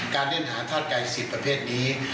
การเล่นหาธาตุกายศิษย์ประเภทนี้